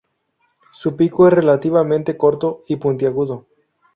Su pico es relativamente corto y puntiagudo.